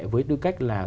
với tư cách là